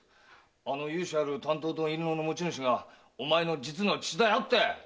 あの由緒ある短刀と印籠の持ち主がお前の実の父だよって！